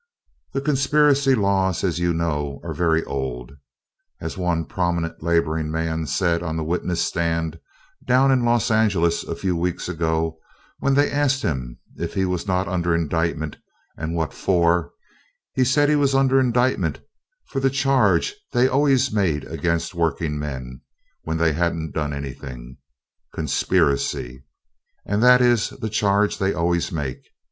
The conspiracy laws, you know, are very old. As one prominent laboring man said on the witness stand down in Los Angeles a few weeks ago when they asked him if he was not under indictment and what for, he said he was under indictment for the charge they always made against working men when they hadn't done anything conspiracy. And that is the charge they always make.